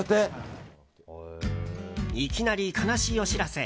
いきなり悲しいお知らせ。